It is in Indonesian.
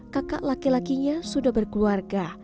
kakak laki lakinya sudah berkeluarga